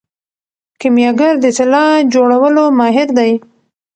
کیمیاګر د طلا جوړولو ماهر دی.